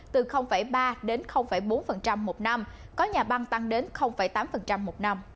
từ ba đến bốn một năm có nhà băng tăng đến tám một năm